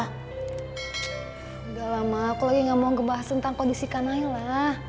udah lama aku lagi gak mau ngebahas tentang kondisi kanayla